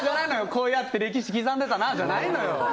こうやって歴史刻んでたなじゃないのよ。